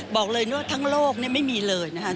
บอกเลยว่าทั้งโลกไม่มีเลยนะครับ